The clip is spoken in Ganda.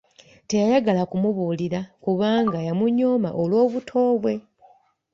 Teyayagala kumubuulira kubanga yamunyooma olw’obuto bwe.